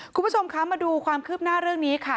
คุณผู้ชมคะมาดูความคืบหน้าเรื่องนี้ค่ะ